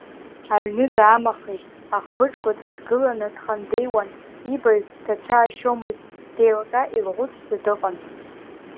Аҩны даамахеит, ахбыџқәа дрыдгыланы дхандеиуан, ибаҩ дацәаашьомызт, деилҟьа-еилӷәыцәӡа дыҟан.